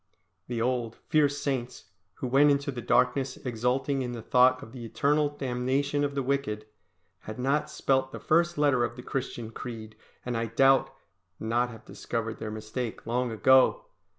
The old, fierce Saints, who went into the darkness exulting in the thought of the eternal damnation of the wicked, had not spelt the first letter of the Christian creed, and I doubt not have discovered their mistake long ago!